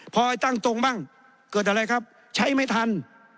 พอให้ตั้งตรงบ้างเกิดอะไรครับใช้ไม่ทัน